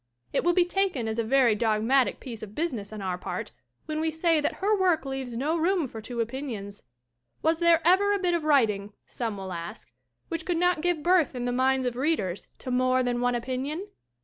It will be taken as a very dogmatic piece of busi ness on our part when we say that her work leaves no room for two opinions. Was there ever a bit of writing, some will ask, which could not give birth in the minds of readers to more than one opinion?